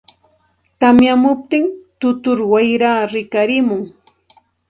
tamyamuptin tutur wayraa rikarimun.